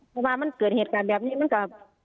เพราะว่ามันเกิดเหตุการณ์แบบนี้มันก็